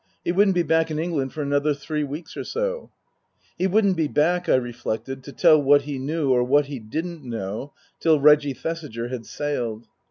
He wouldn't be back in England for another three weeks or more. He wouldn't be back, I reflected, to tell what he knew or what he didn't know, till Reggie Thesiger had sailed.